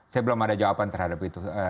saya belum ada jawaban terhadap itu